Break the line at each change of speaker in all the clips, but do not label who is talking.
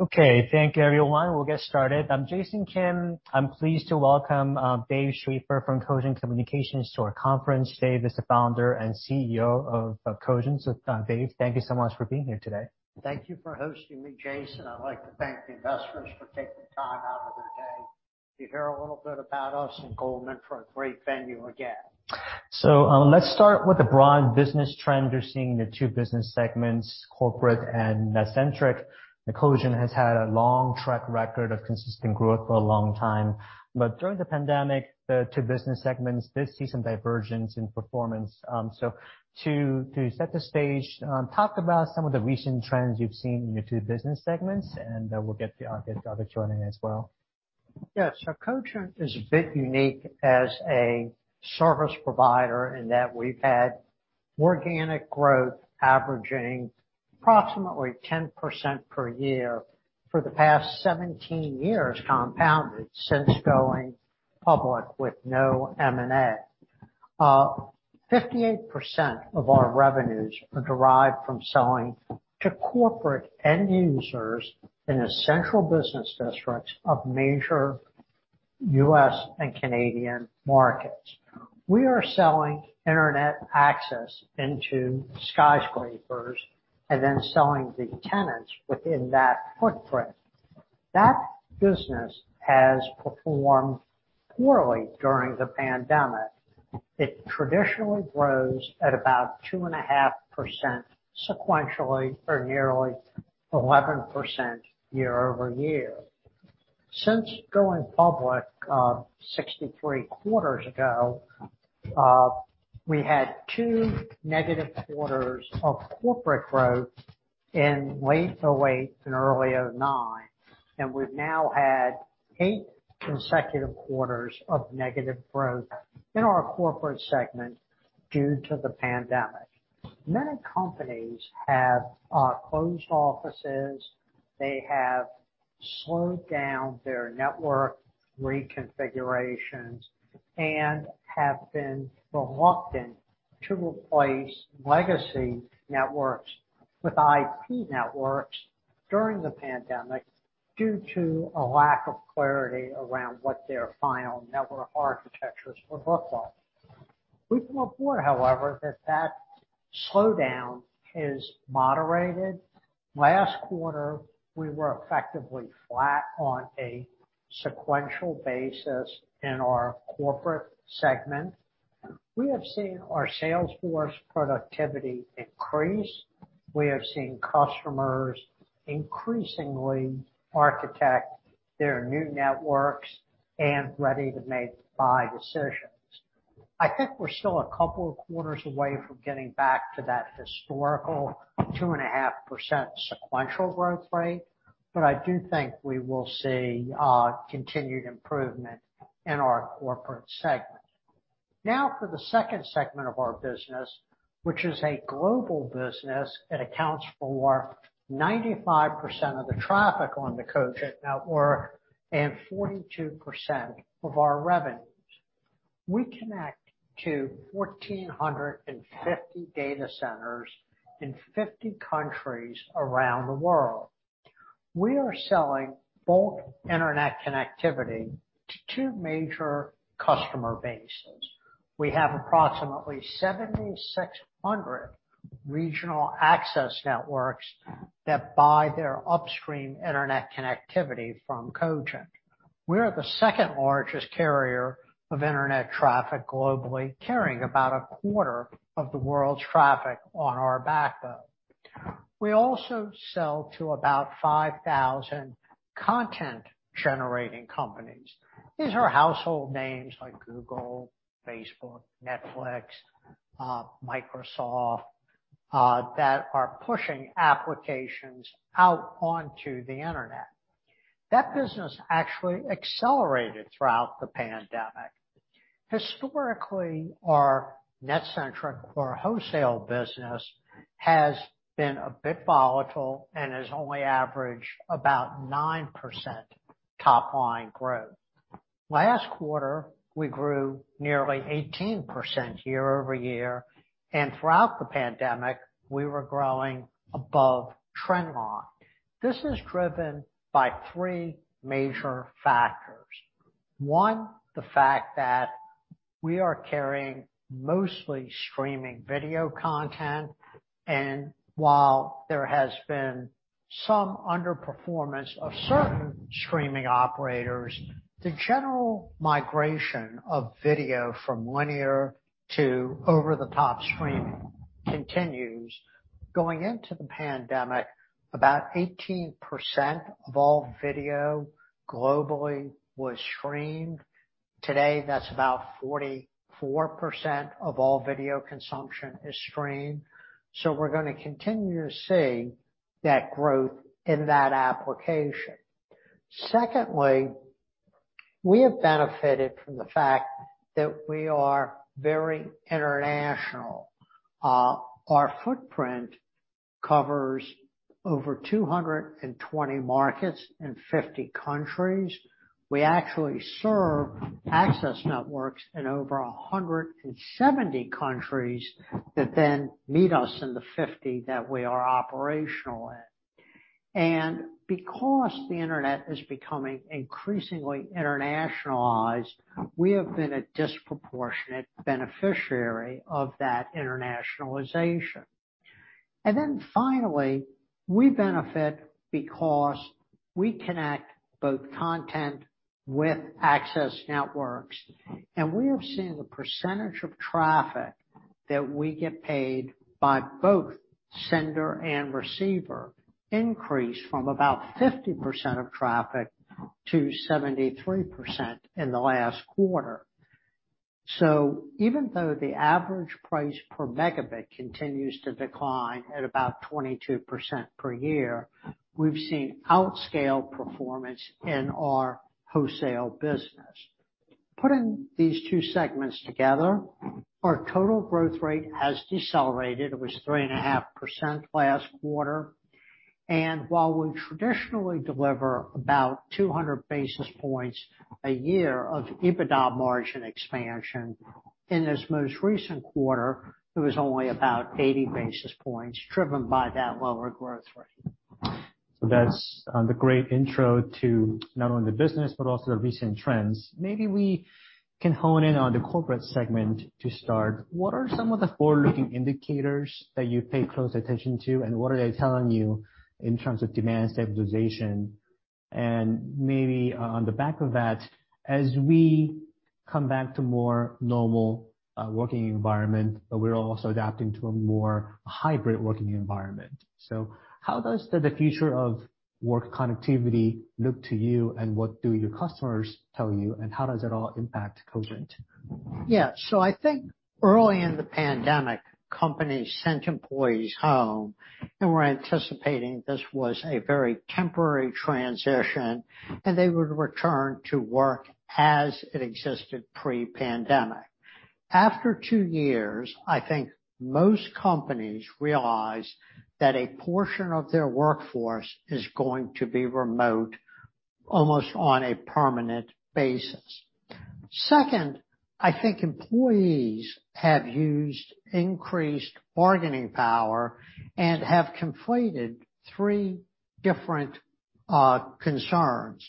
Okay, thank you everyone. We'll get started. I'm Jason Kim. I'm pleased to welcome Dave Schaeffer from Cogent Communications to our conference. Dave is the founder and CEO of Cogent. Dave, thank you so much for being here today.
Thank you for hosting me, Jason. I'd like to thank the investors for taking time out of their day to hear a little bit about us, and Goldman for a great venue again.
Let's start with the broad business trends you're seeing in the two business segments, corporate and NetCentric. Now, Cogent has had a long track record of consistent growth for a long time. During the pandemic, the two business segments did see some diversions in performance. To set the stage, talk about some of the recent trends you've seen in your two business segments, and we'll get the other journey as well.
Yes. Cogent is a bit unique as a service provider in that we've had organic growth averaging approximately 10% per year for the past 17 years, compounded since going public with no M&A. 58% of our revenues are derived from selling to corporate end users in the central business districts of major U.S. and Canadian markets. We are selling Internet access into skyscrapers and then selling the tenants within that footprint. That business has performed poorly during the pandemic. It traditionally grows at about 2.5% sequentially or nearly 11% year-over-year. Since going public, 63 quarters ago, we had two negative quarters of corporate growth in late 2008 and early 2009, and we've now had eight consecutive quarters of negative growth in our corporate segment due to the pandemic. Many companies have closed offices. They have slowed down their network reconfigurations and have been reluctant to replace legacy networks with IP networks during the pandemic due to a lack of clarity around what their final network architectures would look like. We can report, however, that that slowdown has moderated. Last quarter, we were effectively flat on a sequential basis in our corporate segment. We have seen our sales force productivity increase. We have seen customers increasingly architect their new networks and ready to make buy decisions. I think we're still a couple of quarters away from getting back to that historical 2.5% sequential growth rate, but I do think we will see continued improvement in our corporate segment. Now for the second segment of our business, which is a global business that accounts for 95% of the traffic on the Cogent network and 42% of our revenues. We connect to 1,450 data centers in 50 countries around the world. We are selling bulk Internet connectivity to two major customer bases. We have approximately 7,600 regional access networks that buy their upstream Internet connectivity from Cogent. We're the second-largest carrier of Internet traffic globally, carrying about a quarter of the world's traffic on our backbone. We also sell to about 5,000 content-generating companies. These are household names like Google, Facebook, Netflix, Microsoft, that are pushing applications out onto the Internet. That business actually accelerated throughout the pandemic. Historically, our NetCentric or wholesale business has been a bit volatile and has only averaged about 9% top line growth. Last quarter, we grew nearly 18% year over year, and throughout the pandemic we were growing above trend line. This is driven by three major factors. One, the fact that we are carrying mostly streaming video content, and while there has been some underperformance of certain streaming operators, the general migration of video from linear to over-the-top streaming continues. Going into the pandemic, about 18% of all video globally was streamed. Today, that's about 44% of all video consumption is streamed. We're gonna continue to see that growth in that application. Secondly, we have benefited from the fact that we are very international. Our footprint covers over 220 markets in 50 countries. We actually serve access networks in over 170 countries that then meet us in the 50 that we are operational in. Because the internet is becoming increasingly internationalized, we have been a disproportionate beneficiary of that internationalization. We benefit because we connect both content with access networks, and we have seen the percentage of traffic that we get paid by both sender and receiver increase from about 50% of traffic to 73% in the last quarter. Even though the average price per megabit continues to decline at about 22% per year, we've seen outscale performance in our wholesale business. Putting these two segments together, our total growth rate has decelerated. It was 3.5% last quarter, and while we traditionally deliver about 200 basis points a year of EBITDA margin expansion, in this most recent quarter, it was only about 80 basis points, driven by that lower growth rate.
That's the great intro to not only the business but also the recent trends. Maybe we can hone in on the corporate segment to start. What are some of the forward-looking indicators that you pay close attention to, and what are they telling you in terms of demand stabilization? Maybe on the back of that, as we come back to more normal working environment, but we're also adapting to a more hybrid working environment. How does the future of work connectivity look to you, and what do your customers tell you, and how does it all impact Cogent?
Yeah. I think early in the pandemic, companies sent employees home and were anticipating this was a very temporary transition, and they would return to work as it existed pre-pandemic. After two years, I think most companies realized that a portion of their workforce is going to be remote, almost on a permanent basis. Second, I think employees have used increased bargaining power and have conflated three different concerns.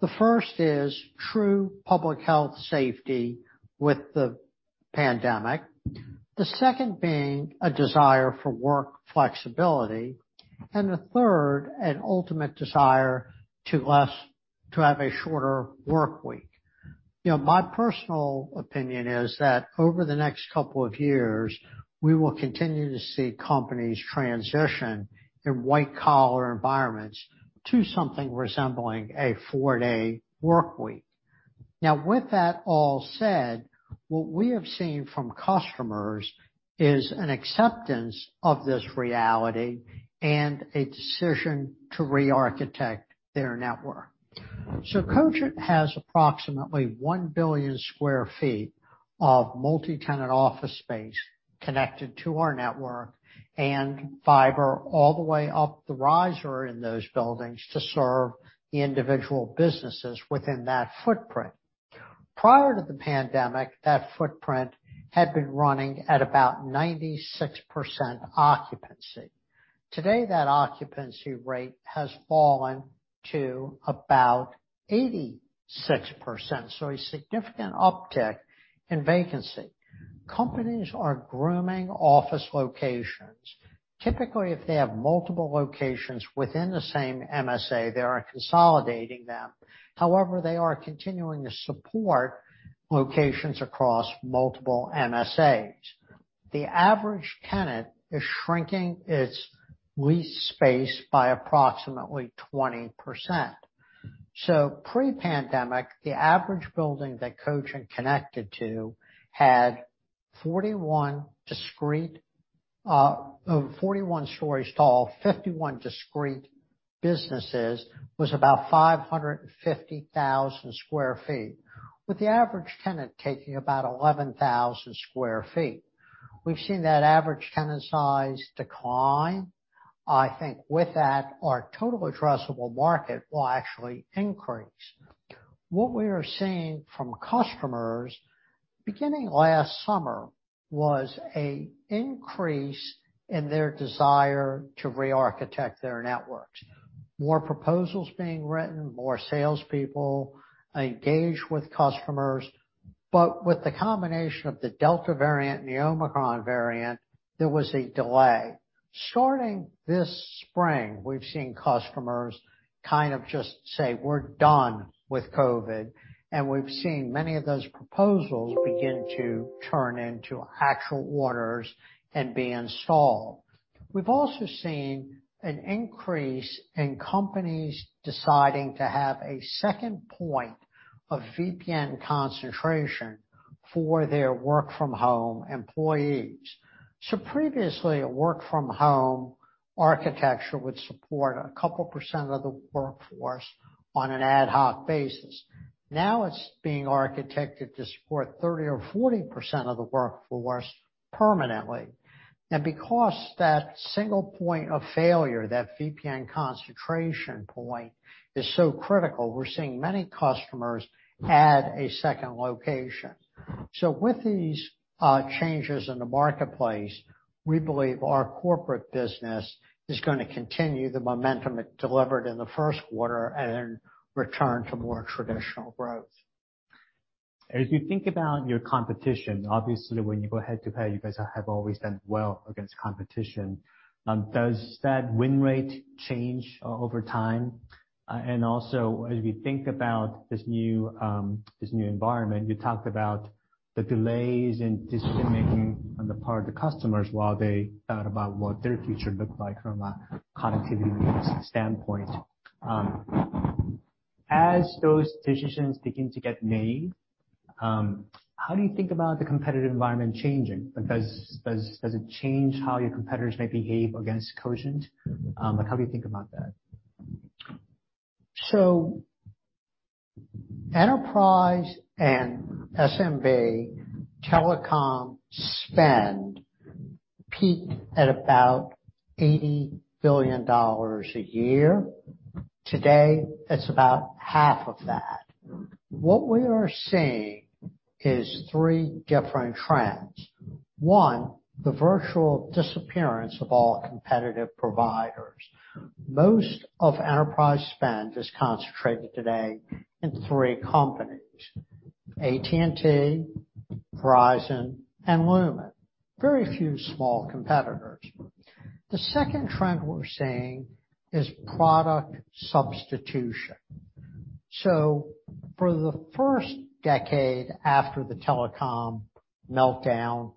The first is true public health safety with the pandemic, the second being a desire for work flexibility, and the third, an ultimate desire to have a shorter work week. You know, my personal opinion is that over the next couple of years, we will continue to see companies transition in white-collar environments to something resembling a four-day work week. Now, with that all said, what we have seen from customers is an acceptance of this reality and a decision to rearchitect their network. Cogent has approximately 1 billion sq ft of multi-tenant office space connected to our network and fiber all the way up the riser in those buildings to serve the individual businesses within that footprint. Prior to the pandemic, that footprint had been running at about 96% occupancy. Today, that occupancy rate has fallen to about 86%, so a significant uptick in vacancy. Companies are grooming office locations. Typically, if they have multiple locations within the same MSA, they are consolidating them. However, they are continuing to support locations across multiple MSAs. The average tenant is shrinking its lease space by approximately 20%. Pre-pandemic, the average building that Cogent connected to had 41 discrete, 41 stories tall, 51 discrete businesses, was about 550,000 sq ft, with the average tenant taking about 11,000 sq ft. We've seen that average tenant size decline. I think with that, our total addressable market will actually increase. What we are seeing from customers beginning last summer was a increase in their desire to rearchitect their networks. More proposals being written, more salespeople engaged with customers. With the combination of the Delta variant and the Omicron variant, there was a delay. Starting this spring, we've seen customers kind of just say, "We're done with COVID," and we've seen many of those proposals begin to turn into actual orders and be installed. We've also seen an increase in companies deciding to have a second point of VPN concentration for their work from home employees. Previously, a work from home architecture would support a couple% of the workforce on an ad hoc basis. Now it's being architected to support 30% or 40% of the workforce permanently. Because that single point of failure, that VPN concentration point is so critical, we're seeing many customers add a second location. With these changes in the marketplace, we believe our corporate business is gonna continue the momentum it delivered in the first quarter and then return to more traditional growth.
As you think about your competition, obviously, when you go head-to-head, you guys have always done well against competition. Does that win rate change over time? Also, as we think about this new environment, you talked about the delays in decision-making on the part of the customers while they thought about what their future looked like from a connectivity standpoint. As those decisions begin to get made, how do you think about the competitive environment changing? Does it change how your competitors may behave against Cogent? Like, how do you think about that?
Enterprise and SMB telecom spend peaked at about $80 billion a year. Today, it's about half of that. What we are seeing is three different trends. One, the virtual disappearance of all competitive providers. Most of enterprise spend is concentrated today in three companies: AT&T, Verizon, and Lumen. Very few small competitors. The second trend we're seeing is product substitution. For the first decade after the telecom meltdown,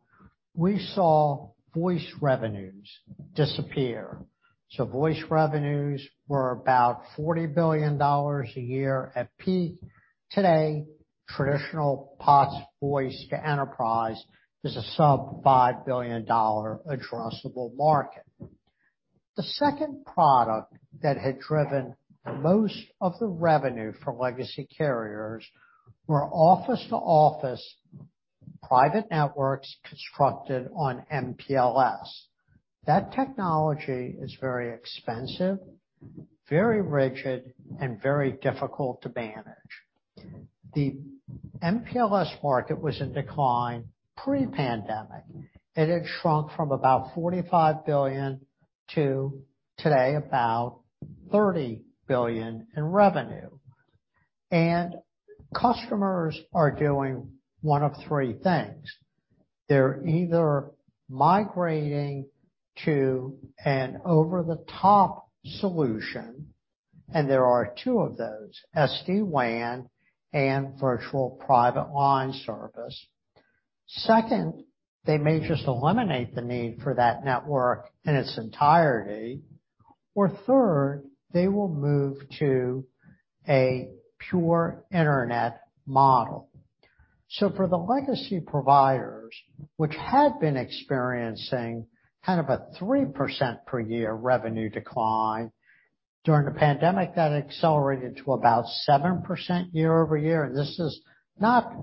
we saw voice revenues disappear. Voice revenues were about $40 billion a year at peak. Today, traditional POTS voice to enterprise is a sub-$5 billion-dollar addressable market. The second product that had driven most of the revenue from legacy carriers were office-to-office private networks constructed on MPLS. That technology is very expensive, very rigid, and very difficult to manage. The MPLS market was in decline pre-pandemic. It had shrunk from about $45 billion to today about $30 billion in revenue. Customers are doing one of three things. They're either migrating to an over-the-top solution, and there are two of those, SD-WAN and Virtual Private LAN Service. Second, they may just eliminate the need for that network in its entirety. Third, they will move to a pure internet model. For the legacy providers, which had been experiencing kind of a 3% per year revenue decline, during the pandemic, that accelerated to about 7% year-over-year. This is not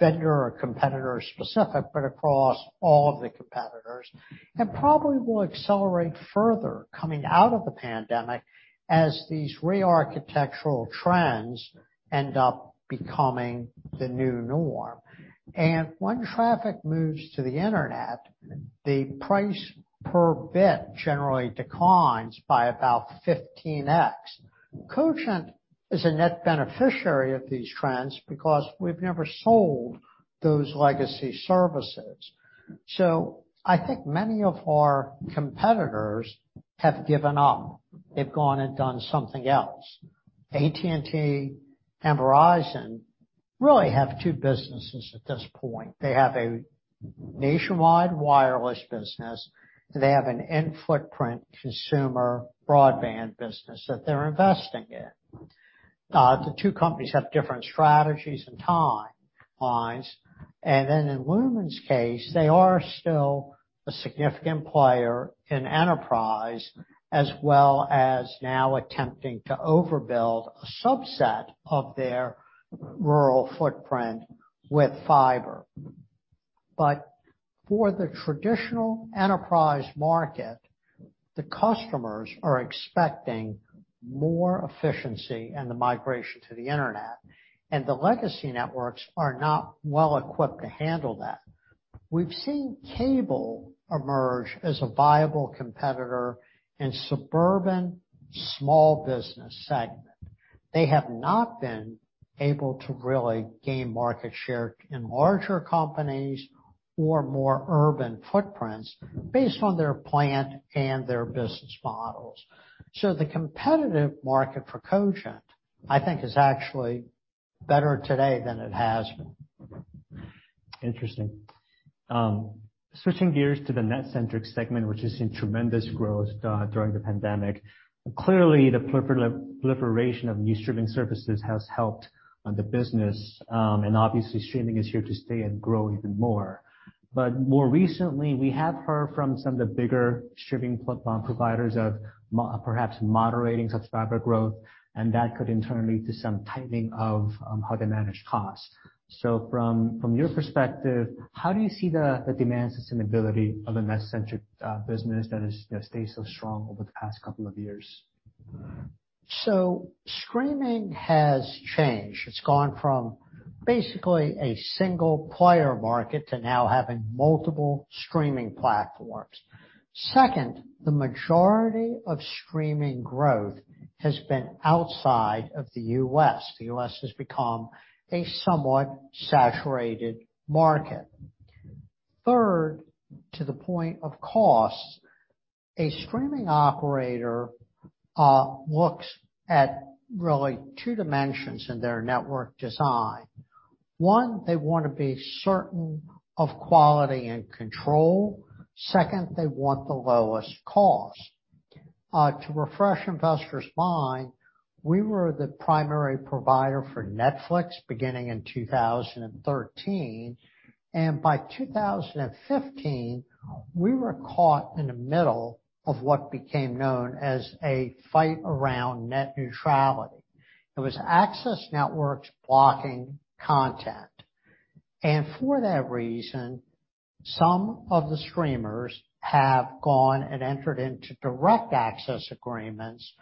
vendor or competitor specific, but across all of the competitors, and probably will accelerate further coming out of the pandemic as these re-architectural trends end up becoming the new norm. When traffic moves to the internet, the price per bit generally declines by about 15x. Cogent is a net beneficiary of these trends because we've never sold those legacy services. I think many of our competitors have given up. They've gone and done something else. AT&T and Verizon really have two businesses at this point. They have a nationwide wireless business, and they have an end footprint consumer broadband business that they're investing in. The two companies have different strategies and timelines. In Lumen's case, they are still a significant player in enterprise, as well as now attempting to overbuild a subset of their rural footprint with fiber. For the traditional enterprise market, the customers are expecting more efficiency and the migration to the internet, and the legacy networks are not well-equipped to handle that. We've seen cable emerge as a viable competitor in suburban small business segment. They have not been able to really gain market share in larger companies or more urban footprints based on their plan and their business models. The competitive market for Cogent, I think, is actually better today than it has been.
Interesting. Switching gears to the NetCentric segment, which has seen tremendous growth during the pandemic. Clearly, the proliferation of new streaming services has helped the business. Obviously, streaming is here to stay and grow even more. More recently, we have heard from some of the bigger streaming platform providers of perhaps moderating subscriber growth, and that could in turn lead to some tightening of how they manage costs. From your perspective, how do you see the demand sustainability of a NetCentric business that has, you know, stayed so strong over the past couple of years?
Streaming has changed. It's gone from basically a single player market to now having multiple streaming platforms. Second, the majority of streaming growth has been outside of the U.S. The U.S. has become a somewhat saturated market. Third, to the point of cost, a streaming operator looks at really two dimensions in their network design. One, they wanna be certain of quality and control. Second, they want the lowest cost. To refresh investors' mind, we were the primary provider for Netflix beginning in 2013, and by 2015, we were caught in the middle of what became known as a fight around net neutrality. It was access networks blocking content. For that reason, some of the streamers have gone and entered into direct access agreements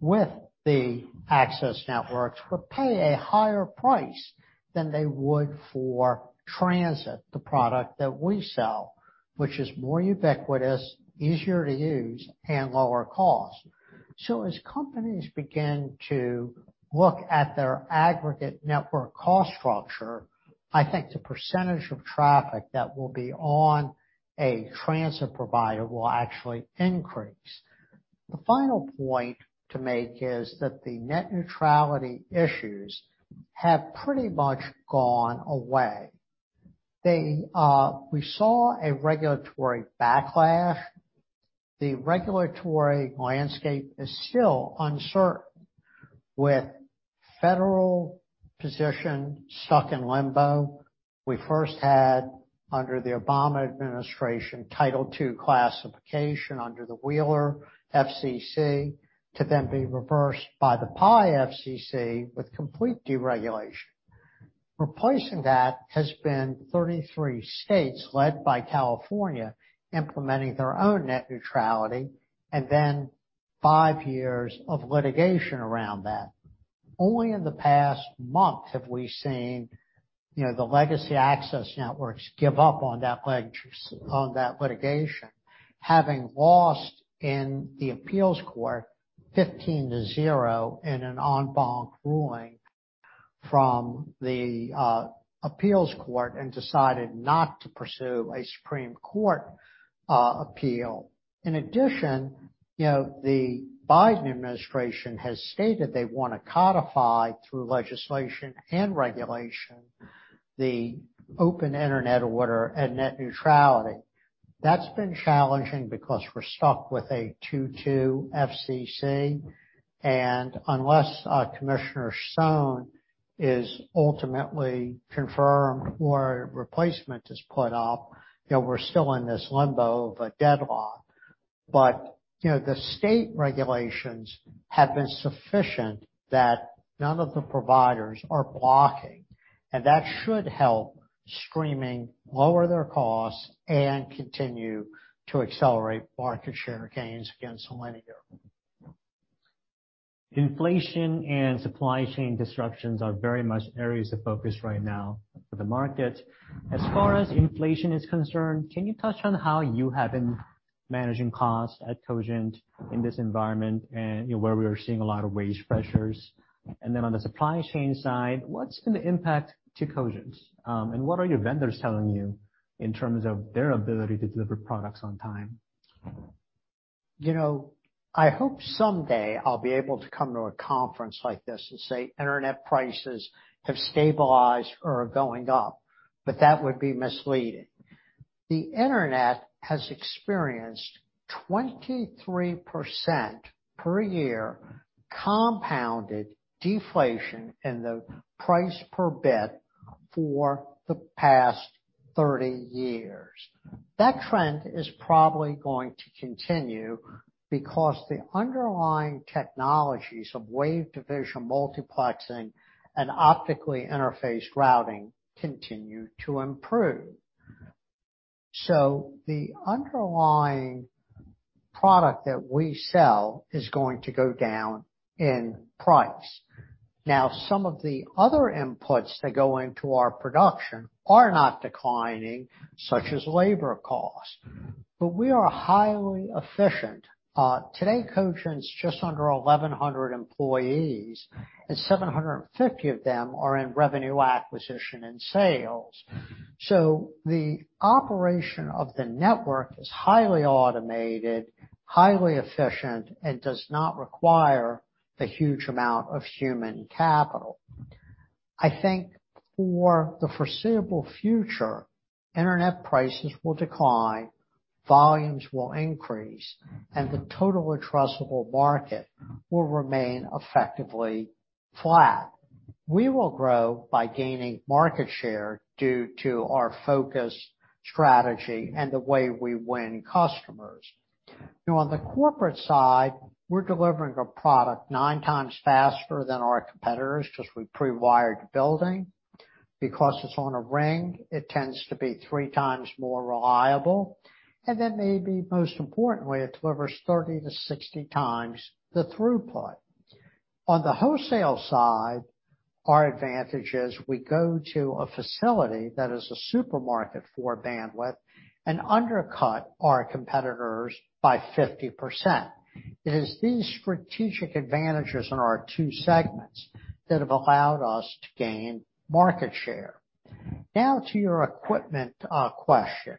with the access networks, but pay a higher price than they would for transit, the product that we sell, which is more ubiquitous, easier to use, and lower cost. As companies begin to look at their aggregate network cost structure, I think the percentage of traffic that will be on a transit provider will actually increase. The final point to make is that the net neutrality issues have pretty much gone away. They, we saw a regulatory backlash. The regulatory landscape is still uncertain. With federal position stuck in limbo, we first had under the Obama administration Title II classification under the Wheeler FCC to then be reversed by the Pai FCC with complete deregulation. Replacing that has been 33 states led by California implementing their own net neutrality and then five years of litigation around that. Only in the past month have we seen, you know, the legacy access networks give up on that litigation, having lost in the appeals court 15-0 in an en banc ruling from the appeals court and decided not to pursue a Supreme Court appeal. In addition, you know, the Biden administration has stated they wanna codify through legislation and regulation the Open Internet Order and net neutrality. That's been challenging because we're stuck with a 2-2 FCC, and unless Commissioner Sohn is ultimately confirmed or a replacement is put up, you know, we're still in this limbo of a deadlock. You know, the state regulations have been sufficient that none of the providers are blocking, and that should help streaming lower their costs and continue to accelerate market share gains against linear.
Inflation and supply chain disruptions are very much areas of focus right now for the market. As far as inflation is concerned, can you touch on how you have been managing costs at Cogent in this environment and, you know, where we are seeing a lot of wage pressures? On the supply chain side, what's gonna impact to Cogent? What are your vendors telling you in terms of their ability to deliver products on time?
You know, I hope someday I'll be able to come to a conference like this and say internet prices have stabilized or are going up, but that would be misleading. The internet has experienced 23% per year compounded deflation in the price per bit for the past 30 years. That trend is probably going to continue because the underlying technologies of wavelength division multiplexing and optically interfaced routing continue to improve. So the underlying product that we sell is going to go down in price. Now, some of the other inputs that go into our production are not declining, such as labor cost.
Mm-hmm.
We are highly efficient. Today, Cogent's just under 1,100 employees, and 750 of them are in revenue acquisition and sales. The operation of the network is highly automated, highly efficient, and does not require the huge amount of human capital. I think for the foreseeable future, internet prices will decline, volumes will increase, and the total addressable market will remain effectively flat. We will grow by gaining market share due to our focus, strategy, and the way we win customers. Now on the corporate side, we're delivering a product nine times faster than our competitors because we pre-wired the building. Because it's on a ring, it tends to be three times more reliable, and then maybe most importantly, it delivers 30-60 times the throughput. On the wholesale side, our advantage is we go to a facility that is a supermarket for bandwidth and undercut our competitors by 50%. It is these strategic advantages in our two segments that have allowed us to gain market share. Now to your equipment question.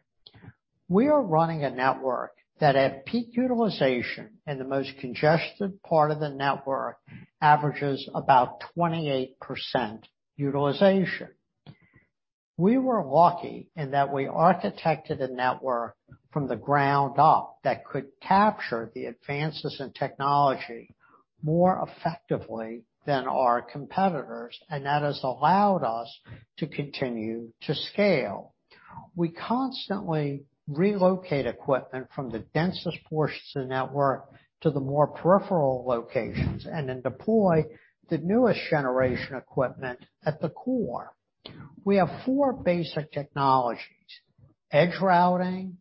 We are running a network that at peak utilization in the most congested part of the network averages about 28% utilization. We were lucky in that we architected a network from the ground up that could capture the advances in technology more effectively than our competitors, and that has allowed us to continue to scale. We constantly relocate equipment from the densest portions of the network to the more peripheral locations, and then deploy the newest generation equipment at the core. We have four basic technologies. Edge routing,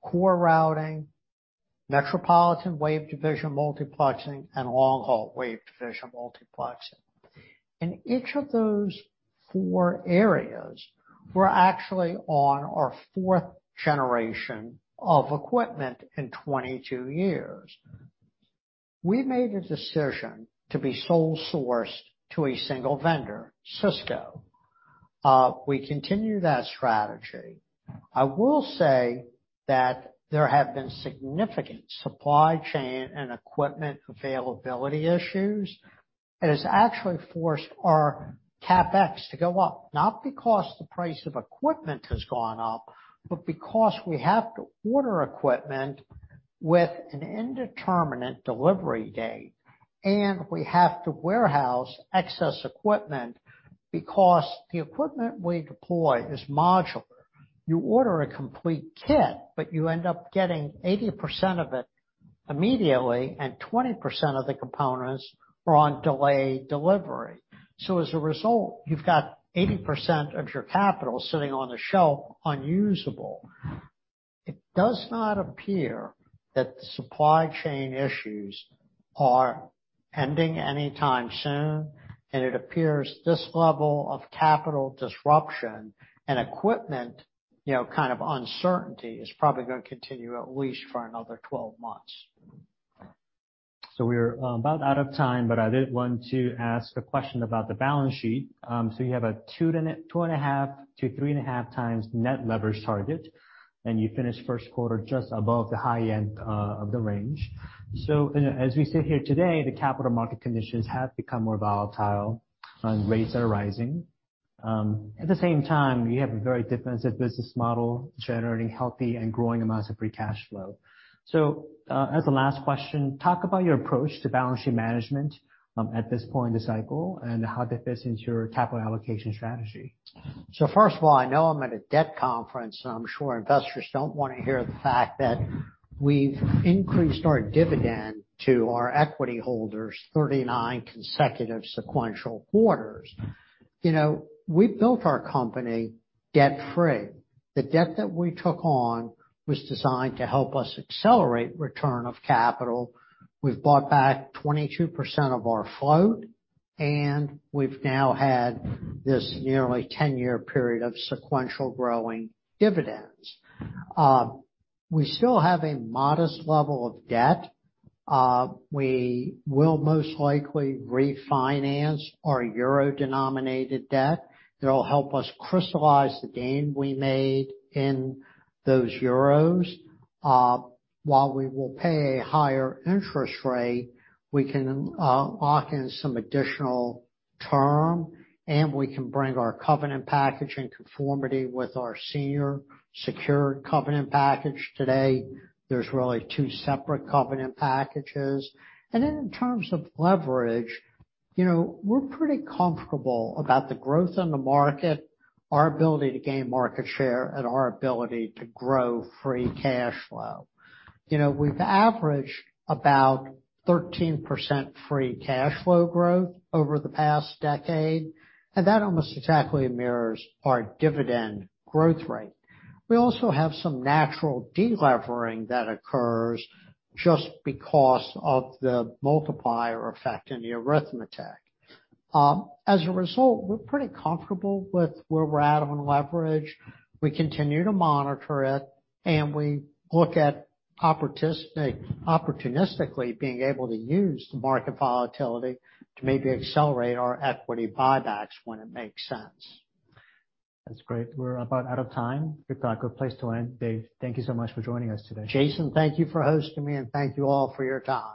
core routing, metropolitan wavelength division multiplexing, and long-haul wavelength division multiplexing. In each of those four areas, we're actually on our fourth generation of equipment in 22 years. We made a decision to be sole sourced to a single vendor, Cisco. We continue that strategy. I will say that there have been significant supply chain and equipment availability issues that has actually forced our CapEx to go up, not because the price of equipment has gone up, but because we have to order equipment with an indeterminate delivery date. We have to warehouse excess equipment because the equipment we deploy is modular. You order a complete kit, but you end up getting 80% of it immediately, and 20% of the components are on delayed delivery. As a result, you've got 80% of your capital sitting on the shelf unusable. It does not appear that the supply chain issues are ending anytime soon, and it appears this level of capital disruption and equipment, you know, kind of uncertainty is probably gonna continue at least for another 12 months.
We're about out of time, but I did want to ask a question about the balance sheet. You have a 2.5x-3.5x net leverage target, and you finished first quarter just above the high end of the range. As we sit here today, the capital market conditions have become more volatile and rates are rising. At the same time, you have a very defensive business model generating healthy and growing amounts of free cash flow. As a last question, talk about your approach to balance sheet management at this point in the cycle and how that fits into your capital allocation strategy.
First of all, I know I'm at a debt conference, and I'm sure investors don't want to hear the fact that we've increased our dividend to our equity holders 39 consecutive sequential quarters. You know, we built our company debt-free. The debt that we took on was designed to help us accelerate return of capital. We've bought back 22% of our float, and we've now had this nearly 10-year period of sequential growing dividends. We still have a modest level of debt. We will most likely refinance our euro-denominated debt. It'll help us crystallize the gain we made in those euros. While we will pay a higher interest rate, we can lock in some additional term, and we can bring our covenant package in conformity with our senior secured covenant package. Today, there's really two separate covenant packages. In terms of leverage, you know, we're pretty comfortable about the growth in the market, our ability to gain market share, and our ability to grow free cash flow. You know, we've averaged about 13% free cash flow growth over the past decade, and that almost exactly mirrors our dividend growth rate. We also have some natural de-levering that occurs just because of the multiplier effect in the arithmetic. As a result, we're pretty comfortable with where we're at on leverage. We continue to monitor it, and we look at opportunistically being able to use the market volatility to maybe accelerate our equity buybacks when it makes sense.
That's great. We're about out of time. Good talk. Good place to land, Dave. Thank you so much for joining us today.
Jason, thank you for hosting me, and thank you all for your time.